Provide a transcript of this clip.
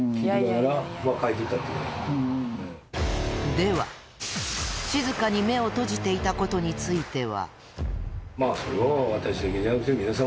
では、静かに目を閉じていたことについては。